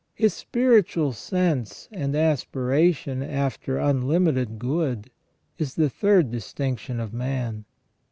His spiritual sense and aspiration after unlimited good is the third distinction of man.